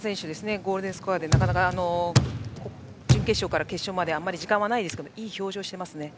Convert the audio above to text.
ゴールデンスコアでなかなか準決勝から決勝まであまり時間はないですけどいい表情をしていますね。